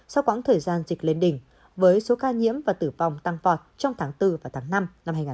sau quãng thời gian dịch lên đỉnh với số ca nhiễm và tử vong tăng vọt trong tháng bốn và tháng năm năm hai nghìn hai mươi bốn